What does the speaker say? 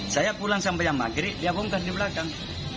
saya pulang sampai yang maghrib dia bongkar di belakang